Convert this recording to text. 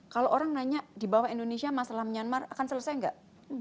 kalau orang nanya di bawah indonesia masalah myanmar akan selesai nggak